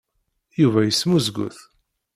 Yuba yesmuzgut.